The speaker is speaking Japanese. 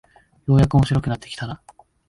ようやく面白くなってきた